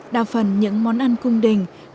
đa phần những món ăn cung đình không khác nhau